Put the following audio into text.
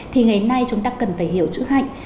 thì ngày nay chúng ta cần phải hiểu chữ hạnh